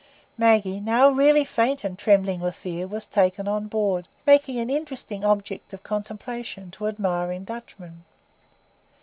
Maggie, now really faint and trembling with fear, was taken on board, making an interesting object of contemplation to admiring Dutchmen.